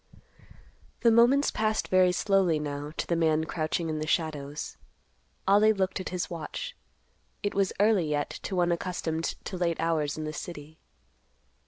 The moments passed very slowly now to the man crouching in the shadows. Ollie looked at his watch. It was early yet to one accustomed to late hours in the city.